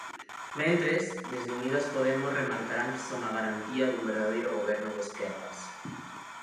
Mentres, desde Unidas Podemos remarcarán que son a garantía dun verdadeiro goberno de esquerdas.